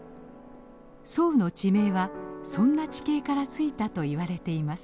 左右の地名はそんな地形からついたといわれています。